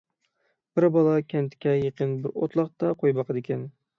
بىر بالا كەنتكە يېقىن بىر ئوتلاقتا قوي باقىدىكەن.